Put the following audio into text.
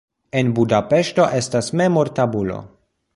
En Budapeŝto estas memortabulo.